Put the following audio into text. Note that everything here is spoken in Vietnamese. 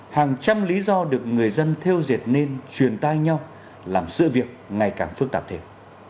hàng trăm lý do được người dân theo dệt nên truyền tai nhau làm sự việc ngày càng phức tạp thêm